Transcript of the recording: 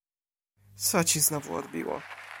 Co ci znowu odbiło?